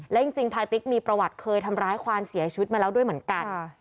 และจริงพลายติ๊กมีประวัติเคยทำร้ายความเสียชีวิตมาแล้วด้วยเหมือนกัน